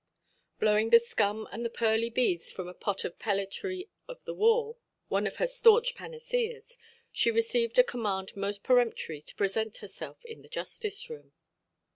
Blowing the scum and the pearly beads from a pot of pellitory of the wall (one of her staunch panaceas), she received a command most peremptory to present herself in the justice–room.